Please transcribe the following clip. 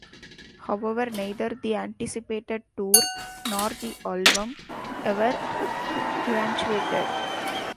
However, neither the anticipated tour, nor the album, ever eventuated.